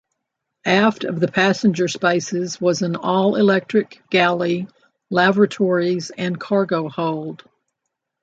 Aft of the passenger spaces was an all-electric galley, lavatories, and cargo hold.